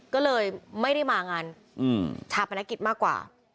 ก็เลยไม่ได้มางานชาปนกิจมากกว่า